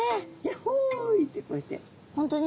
「やっほい」ってこうやって。